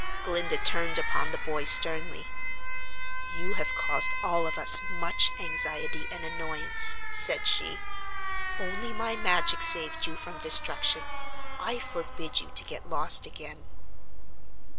Glinda turned upon the boy sternly. "You have caused all of us much anxiety and annoyance," said she. "Only my magic saved you from destruction. I forbid you to get lost again."